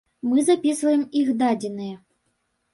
Мы запісваем іх дадзеныя.